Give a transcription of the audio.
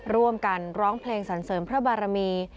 ร่วมกันร้องเพลงสรรเสริมพระบารมี